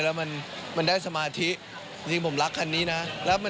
แล้วมันได้สมาธิจริงผมรักคันนี้นะ